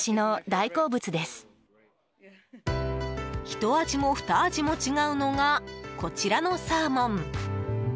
ひと味も、ふた味も違うのがこちらのサーモン。